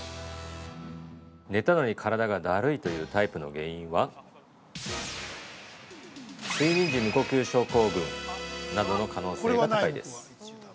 ◆寝たのに体がだるいというタイプの原因は睡眠時無呼吸症候群などの可能性が高いです。